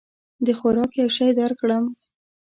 د خوراک یو شی درکړم؟